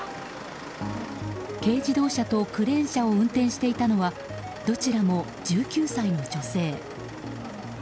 軽自動車とクレーン車を運転していたのはどちらも１９歳の女性。